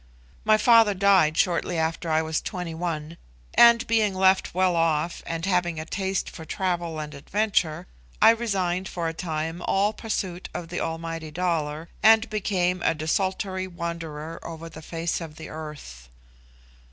My father died shortly after I was twenty one; and being left well off, and having a taste for travel and adventure, I resigned, for a time, all pursuit of the almighty dollar, and became a desultory wanderer over the face of the earth.